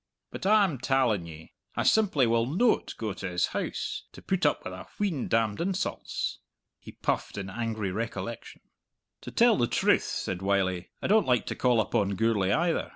But I'm talling ye, I simply will noat go to his house to put up with a wheen damned insults!" he puffed in angry recollection. "To tell the truth," said Wylie, "I don't like to call upon Gourlay either.